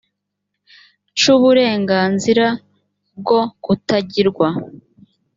c uburenganzira bwo kutagirwa